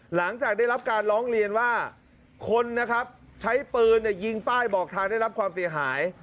หลังจากได้รับการร้องเรียนว่าคนนะครับใช้ปืนยิงป้ายบอกทางได้รับความเสียหาย